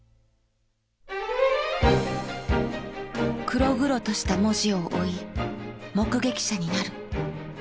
黒々とした文字を追い目撃者になる。